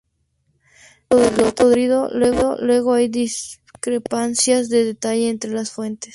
Respecto de lo ocurrido luego hay discrepancias de detalle entre las fuentes.